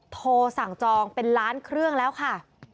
โทรสั่งจองเป็นล้านเครื่องแล้วค่ะ